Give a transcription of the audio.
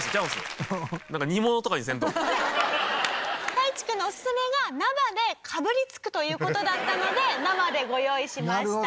たいちくんのオススメが生でかぶりつくという事だったので生でご用意しました。